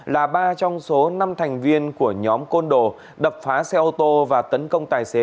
là ba trong số năm thành viên của nhóm côn đồ đập phá xe ô tô và tấn công tài xế